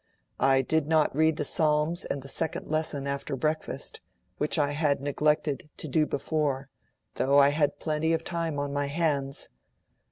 'I did not read the Psalms and Second Lesson after breakfast, which I had neglected to do before, though I had plenty of time on my hands.